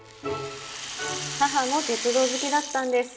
母も鉄道好きだったんです。